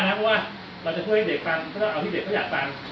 เพราะว่าเราจะช่วยให้เด็กฟังก็ต้องเอาที่เด็กเขาอยากฟัง